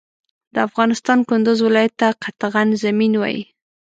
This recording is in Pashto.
د افغانستان کندوز ولایت ته قطغن زمین وایی